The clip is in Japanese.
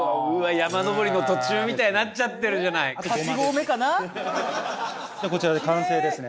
山登りの途中みたいになっちゃってるじゃない８合目かなこちらで完成ですね